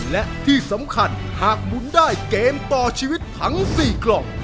และที่สำคัญหากหมุนได้เกมต่อชีวิตทั้ง๔กล่อง